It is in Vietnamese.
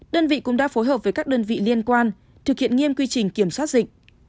đơn vị cũng đã phối hợp với các đơn vị liên quan thực hiện nghiêm quy trình kiểm soát dịch